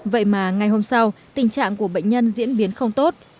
vậy mà ngày hôm sau tình trạng của bệnh nhân diễn biến không tốt